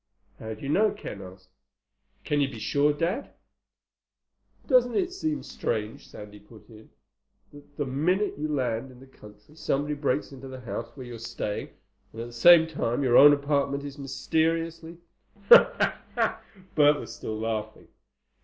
"How do you know?" Ken asked. "Can you be sure, Dad?" "Doesn't it seem strange," Sandy put in, "that the minute you land in the country somebody breaks into the house where you're staying, and at the same time your own apartment is mysteriously—" Bert was still laughing.